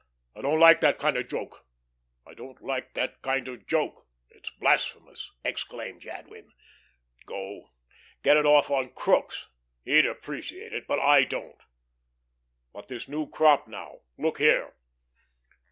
"I don't like that kind of joke. I don't like that kind of joke. It's blasphemous," exclaimed Jadwin. "Go, get it off on Crookes. He'd appreciate it, but I don't. But this new crop now look here."